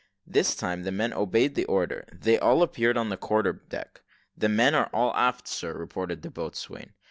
] This time the men obeyed the order; they all appeared on the quarterdeck. "The men are all aft, sir," reported the boatswain.